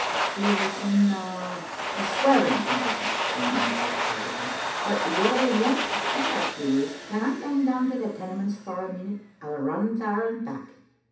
" He was in a — a swearing condition," Jean answered, guardedly. " But what I want to speir at you is, can I gang down to the Tenements for a minute? I'll run there and back."